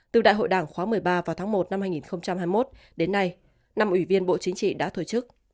từ đại hội đảng khóa một mươi ba vào tháng một năm hai nghìn hai mươi một đến nay năm ủy viên bộ chính trị đã thuê chức